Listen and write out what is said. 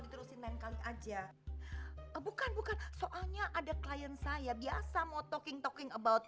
diterusin lain kali aja bukan bukan soalnya ada klien saya biasa mau talking talking about